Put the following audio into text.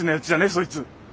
そいつ。